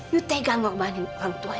yuk tegang ngorbanin orang tua